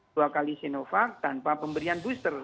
dua kali sinovac tanpa pemberian booster